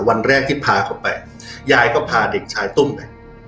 วันแรกที่พาเขาไปยายก็พาเด็กชายตุ้มไป